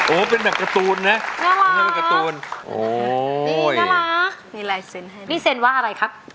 โอ้เป็นแบบการ์ตูนเนี่ยน่ารักโอ้ยนี่น่ารักนี่เซ็นว่าอะไรครับ